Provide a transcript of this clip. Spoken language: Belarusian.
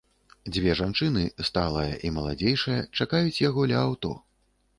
Дзве жанчыны, сталая і маладзейшая, чакаюць яго ля аўто.